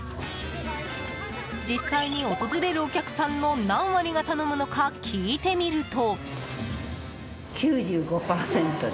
実際に訪れるお客さんの何割が頼むのか、聞いてみると。